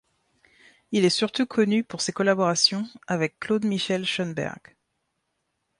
Il est surtout connu pour ses collaborations avec Claude-Michel Schönberg.